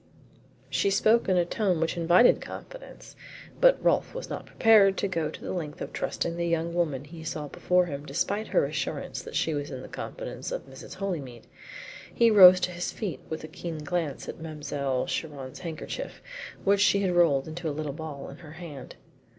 She spoke in a tone which invited confidence, but Rolfe was not prepared to go to the length of trusting the young woman he saw before him, despite her assurance that she was in the confidence of Mrs. Holymead. He rose to his feet with a keen glance at Mademoiselle Chiron's handkerchief, which she had rolled into a little ball in her hand.